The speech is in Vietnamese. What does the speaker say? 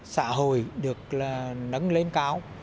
xã hội được là nấng lên cao